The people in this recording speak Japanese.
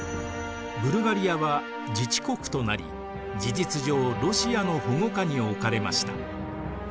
ブルガリアは自治国となり事実上ロシアの保護下に置かれました。